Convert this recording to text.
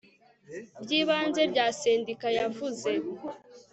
ry ibanze rya sendika yavuze